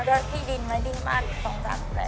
แล้วก็ที่ดินไว้ที่บ้านอีก๒๓แบบ